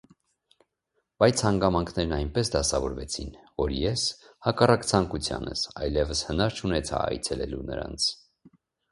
Բայց հանգամանքներն այնպես դասավորվեցին, որ ես, հակառակ ցանկությանս, այլևս հնար չունեցա այցելելու նրանց: